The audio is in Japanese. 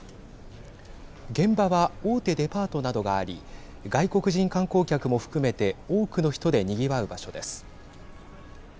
現場は大手デパートなどがあり外国人観光客も含めて多くの人でにぎわう場所です。